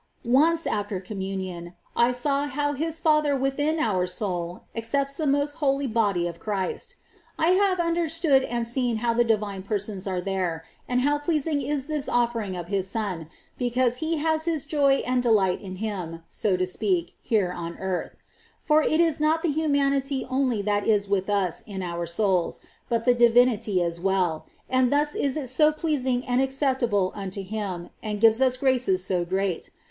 "i 20. Once, after Communion, I saw how His Father within our soul accepts the most Holy Body of Christ. I have under stood and seen how the Divine Persons are there, and how pleasing is this offering of His Son, because He has His joy and delight in Him, so to speak, here on earth ; for it is not the Humanity only that is with us in our souls, but the Divinity as well, and thus is it so pleasing and acceptable unto Him, and gives us graces so great.